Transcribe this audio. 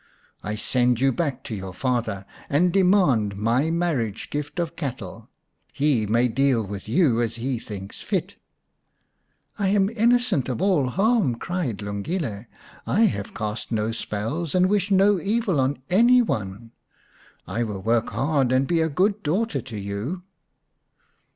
I send you back to your father and demand my marriage gift of cattle ; he may deal with you as he thinks fit." " I am innocent of all harm," cried Lungile. " I have cast no spells and wish no evil to any one. I will work hard and be a good daughter to you."